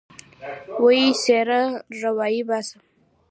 ويې څيره راويې باسه.